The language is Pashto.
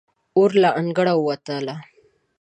او له انګړه ووتله.